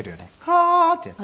「ハー」ってやって。